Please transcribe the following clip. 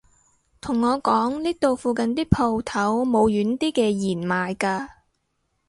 同我講呢度附近啲舖頭冇軟啲嘅弦賣㗎